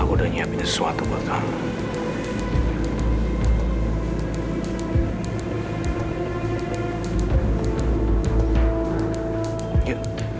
aku udah nyiapin sesuatu buat kamu